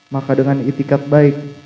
maka dengan itikat bahwa